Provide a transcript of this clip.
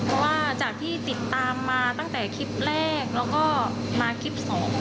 เพราะว่าจากที่ติดตามมาตั้งแต่คลิปแรกแล้วก็มาคลิปสอง